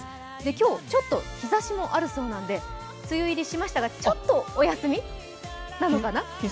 今日、ちょっと日ざしもあるそうで梅雨入りしましたがちょっとお休みなのかな？